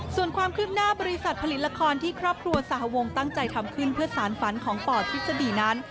ส่วนความคืบหน้าบริษัทผลิตละครที่ครอบครัวสหวงตั้งใจทำขึ้นเพื่อสารฝันของปทฤษฎีนั้น